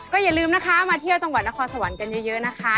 อย่าลืมนะคะมาเที่ยวจังหวัดนครสวรรค์กันเยอะนะคะ